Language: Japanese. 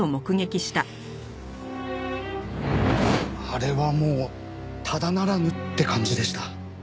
あれはもうただならぬって感じでした。